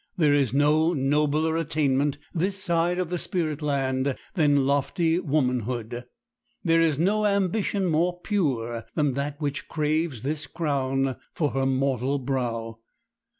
There is no nobler attainment this side of the spirit land than lofty womanhood. There is no ambition more pure than that which craves this crown for her mortal brow.